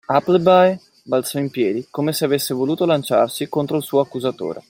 Appleby balzò in piedi, come se avesse voluto lanciarsi contro il suo accusatore.